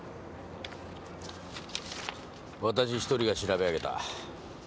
私１人が調べ上げた。